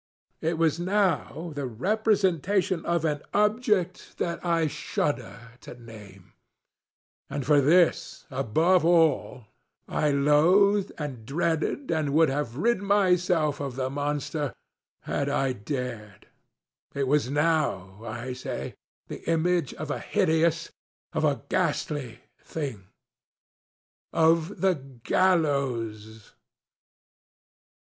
It was now the representation of an object that I shudder to nameŌĆöand for this, above all, I loathed, and dreaded, and would have rid myself of the monster _had I dared_ŌĆöit was now, I say, the image of a hideousŌĆöof a ghastly thingŌĆöof the GALLOWS!